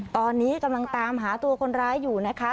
ตอนนี้กำลังตามหาตัวคนร้ายอยู่นะคะ